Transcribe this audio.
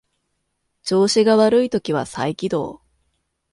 調子が悪い時は再起動